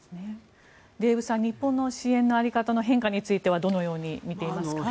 デーブさん日本の支援の在り方の変化についてはどのように見ていますか。